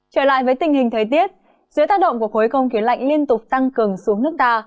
trở lại với tình hình thời tiết dưới tác động của khối không khí lạnh liên tục tăng cường xuống nước ta